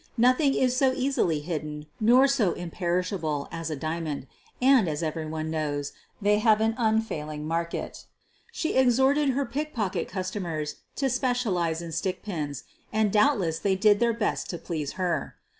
Nothing is so easily hidden nor so imperishable as a diamond, and, as everyone knows, they have an unfailing market She exhorted her pickpocket customers to specialize on stickpins, and doubtless they did their best to please her.